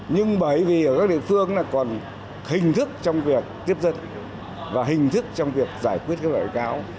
nhưng bởi vì ở các địa phương là còn hình thức trong việc tiếp dân và hình thức trong việc giải quyết các loại cáo